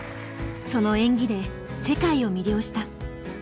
その演技で世界を魅了した。